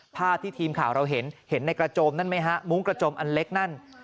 ภาพที่ทีมข่าวเราเห็นเห็นในกระโจมนั่นไหมฮะมุ้งกระโจมอันเล็กนั่น